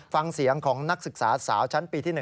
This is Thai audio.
ฟังเสียงของนักศึกษาสาวชั้นปีที่๑